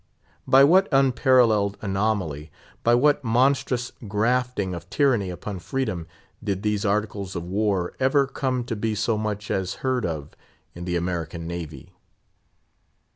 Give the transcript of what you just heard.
By what unparalleled anomaly, by what monstrous grafting of tyranny upon freedom did these Articles of War ever come to be so much as heard of in the American Navy?